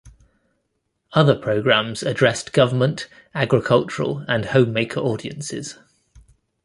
Other programs addressed government, agricultural, and homemaker audiences.